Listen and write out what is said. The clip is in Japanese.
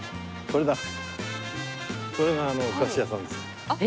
これがあのお菓子屋さんです。